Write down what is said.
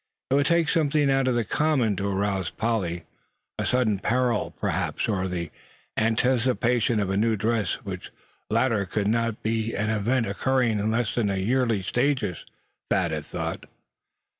It would take something out of the common to arouse Polly; a sudden peril perhaps; or the anticipation of a new dress, which latter could not be an event occurring in less than yearly stages, Thad had thought.